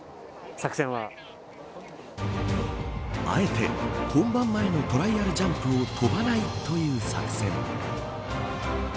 あえて、本番前のトライアルジャンプを飛ばないという作戦。